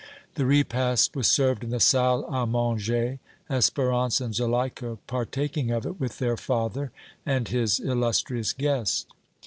The repast was served in the salle à manger, Espérance and Zuleika partaking of it with their father and his illustrious guest.